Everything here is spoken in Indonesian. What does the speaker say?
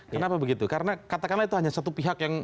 kenapa begitu karena katakanlah itu hanya satu pihak yang